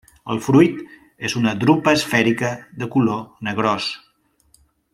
El fruit és una drupa esfèrica de color negrós.